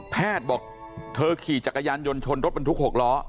บอกเธอขี่จักรยานยนต์ชนรถบรรทุก๖ล้อ